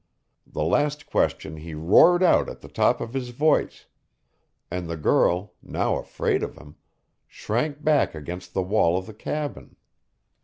The last question he roared out at the top of his voice, and the girl, now afraid of him, shrank back against the wall of the cabin.